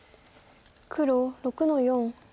黒６の四。